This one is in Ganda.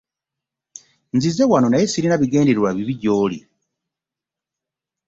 Nzize wawo naye sirina bigendererwa bibi gyoli.